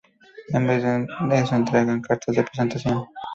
En vez de eso entregan "cartas de presentación".